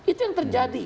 itu yang terjadi